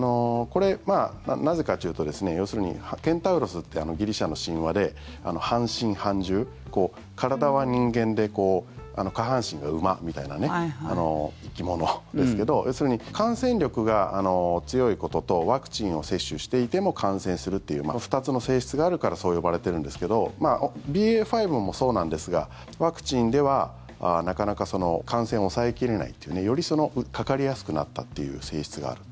なぜかというと要するにケンタウロスってギリシャの神話で半身半獣体は人間で下半身が馬みたいな生き物ですが要するに感染力が強いこととワクチンを接種していても感染するという２つの性質があるからそう呼ばれているんですけどＢＡ．５もそうなんですがワクチンではなかなか感染を抑え切れないというよりかかりやすくなったという性質がある。